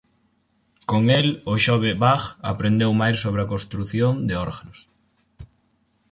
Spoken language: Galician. Con el o xove Bach aprendeu máis sobre a construción de órganos.